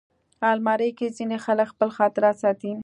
الماري کې ځینې خلک خپل خاطرات ساتي